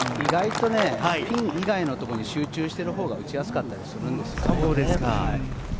意外とピン以外のところに集中してるほうが打ちやすかったりするんですよ。